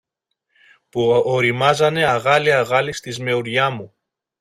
που ωριμάζανε αγάλι-αγάλι στη σμεουριά μου.